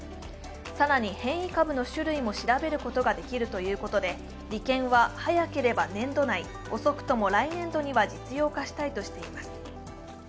更に変異株の種類も調べることができるということで理研は早ければ年度内、遅くとも来年度には実用化したいとしています。